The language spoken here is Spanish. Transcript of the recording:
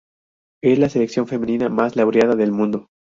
Es la selección femenina más laureada del mundo.